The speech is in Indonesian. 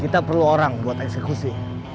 kita perlu orang buat eksekusi